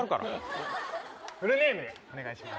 フルネームでお願いします。